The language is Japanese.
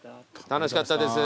楽しかったです。